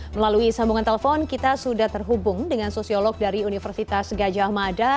melalui sambungan telepon kita sudah terhubung dengan sosiolog dari universitas gajah mada